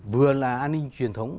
vừa là an ninh truyền thống